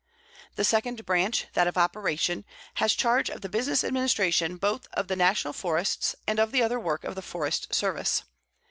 The second branch, that of Operation, has charge of the business administration both of the National Forests and of the other work of the Forest Service.